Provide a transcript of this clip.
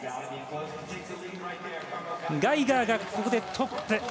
ガイガー、ここでトップ。